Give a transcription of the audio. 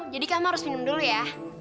jadi kamu harus minum dulu ya